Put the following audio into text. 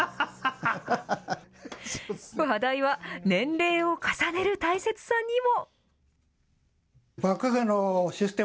話題は年齢を重ねる大切さにも。